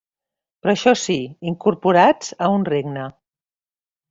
Però això sí, incorporats a un regne.